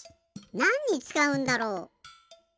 なんにつかうんだろう？